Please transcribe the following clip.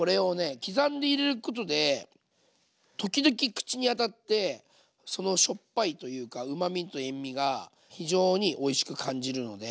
刻んで入れることで時々口に当たってしょっぱいというかうまみと塩みが非常においしく感じるので。